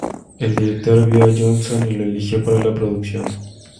El director vio a Johnson y lo eligió para la producción.